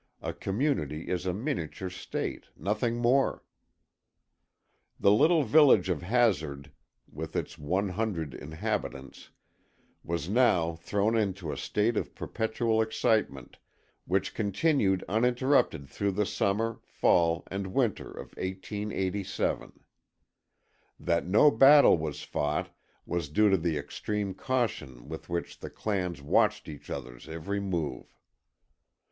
A community is a miniature state, nothing more. The little village of Hazard, with its one hundred inhabitants, was now thrown into a state of perpetual excitement which continued uninterrupted through the summer, fall and winter of 1887. That no battle was fought was due to the extreme caution with which the clans watched each other's every move.